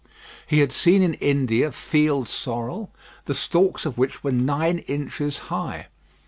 He had seen in India, field sorrel, the stalks of which were nine inches high.